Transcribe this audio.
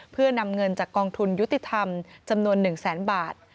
เพื่อนำเงินจากกองทุนยุติธรรมจำนวน๑แสนบาท